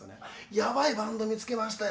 「ヤバいバンド見つけましたよ」